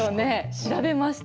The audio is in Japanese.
調べました。